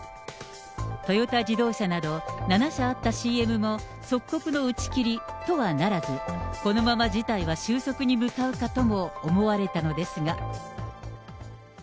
トヨタ自動車など７社あったＣＭも、即刻の打ち切りとはならず、このまま事態は収束に向かうかとも思われたのですが。